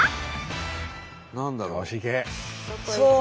何だろう？